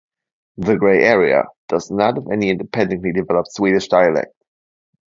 The grey area does not have any independently developed Swedish dialect.